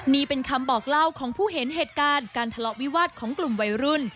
นี่เป็นคำบอกเล่าของผู้เห็นเหตุการณ์การทะเลาะวิวาสของกลุ่มวัยรุ่น